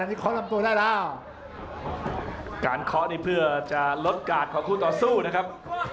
อันนี้คอลลำตัวได้แล้วการคอลลำตัวนี้เพื่อจะลดการ์ดของคู่ต่อสู้นะครับ